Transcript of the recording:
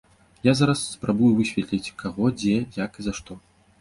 Я зараз спрабую высветліць, каго, дзе, як і за што.